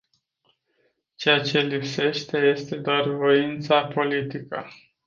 Ceea ce lipsește este doar voința politică.